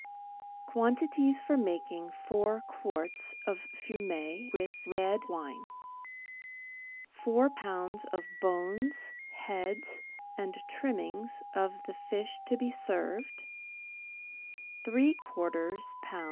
Quantities for making Four Quarts of Fumet with Red Wine. — Four lbs. of bones, heads, and trimmings of the fish to be served; three quarters lb.